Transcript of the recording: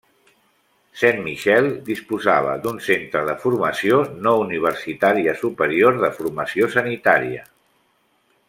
Saint-Michel disposava d'un centre de formació no universitària superior de formació sanitària.